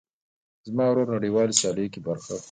زما ورور نړيوالو سیاليو کې برخه اخلي.